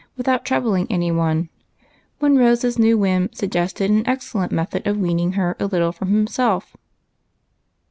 out troubling any one, when Rose's new whim sug gested an excellent method of weaning her a little from himself.